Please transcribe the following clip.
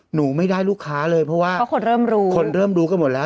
หนูไม่ได้ลูกค้าเลยเพราะว่าคนเริ่มรู้กันหมดแล้ว